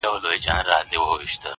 له قلا څخه دباندي یا په ښار کي،